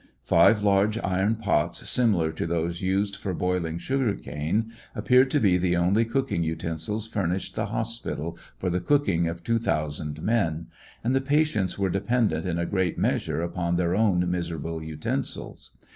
Five large iron pots similar to those used for boiling sugar cane, appeared to be the only cooking utensils furnished the hospital for the cooking of two thousand men ; and the patients were dependent in a great measure upon their own miserable utensils.